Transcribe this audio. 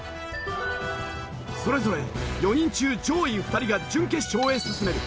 それぞれ４人中上位２人が準決勝へ進める。